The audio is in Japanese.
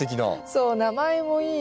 そう名前もいいし。